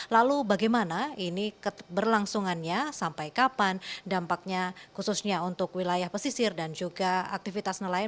lalu bagaimana ini berlangsungannya sampai kapan dampaknya khususnya untuk wilayah pesisir dan juga aktivitas nelayan